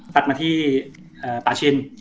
ตัดมาที่ป่าชิน